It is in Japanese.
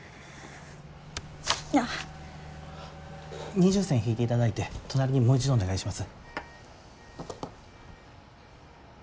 二重線引いていただいて隣にもう一度お願いします。